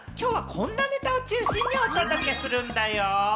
今日はこんなネタを中心にお届けするんだよ。